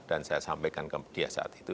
dan saya sampaikan ke media saat itu